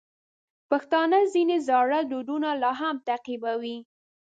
پښتانه ځینې زاړه دودونه لا هم تعقیبوي.